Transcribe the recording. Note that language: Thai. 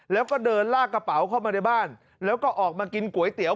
แล้วก็เดินลากกระเป๋าเข้ามาในบ้านแล้วก็ออกมากินก๋วยเตี๋ย